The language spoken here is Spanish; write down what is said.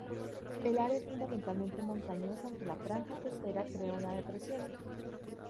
El área es fundamentalmente montañosa aunque la franja costera crea una depresión.